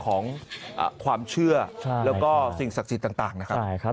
ของความเชื่อแล้วก็สิ่งศักดิ์สิทธิ์ต่างนะครับ